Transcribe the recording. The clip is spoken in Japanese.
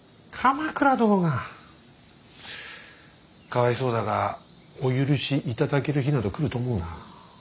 かわいそうだがお許しいただける日など来ると思うな。